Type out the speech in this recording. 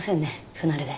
不慣れで。